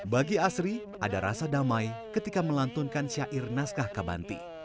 bagi asri ada rasa damai ketika melantunkan syair naskah kabanti